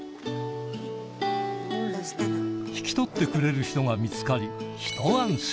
引き取ってくれる人が見つかり